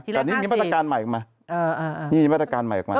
แต่นี่มีมาตรการใหม่ออกมา